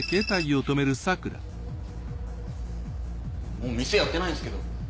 もう店やってないんすけど。